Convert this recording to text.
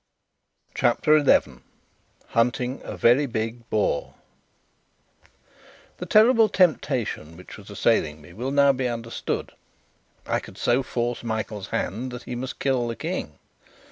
CHAPTER 11 Hunting a Very Big Boar The terrible temptation which was assailing me will now be understood. I would so force Michael's hand that he must kill the King.